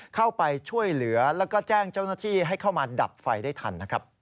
เข้าไปช่วยเหลือแล้วก็แจ้งเจ้าหน้าที่ให้เข้ามาดับไฟได้ทันนะครับ